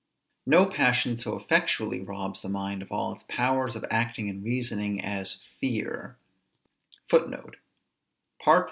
No passion so effectually robs the mind of all its powers of acting and reasoning as fear.